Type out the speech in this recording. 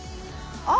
あ！